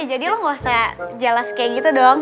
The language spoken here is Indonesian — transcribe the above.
jadi lo gak usah jelas kayak gitu doang